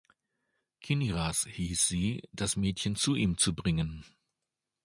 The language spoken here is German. Kinyras hieß sie, das Mädchen zu ihm zu bringen.